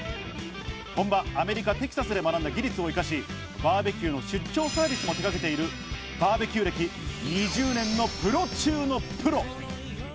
本場アメリカ・テキサスで学んだ技術を生かし、バーベキューの出張サービスも手がけている、バーベキュー歴２０年のプロ中のプロ。